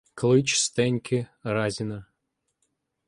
' Клич Стеньки Разіна.